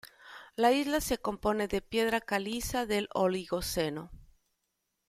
La isla se compone de piedra caliza del Oligoceno.